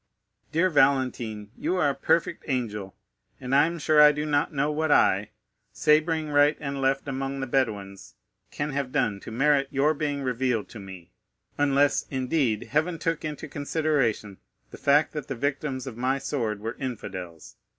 "Dear Valentine, you are a perfect angel, and I am sure I do not know what I—sabring right and left among the Bedouins—can have done to merit your being revealed to me, unless, indeed, Heaven took into consideration the fact that the victims of my sword were infidels.